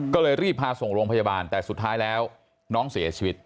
ก็เลยรีบพาส่งโรงพยาบาลแต่สุดท้ายแล้วน้องเสียชีวิต